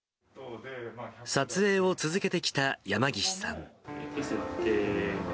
撮影を続けてきた山岸さん。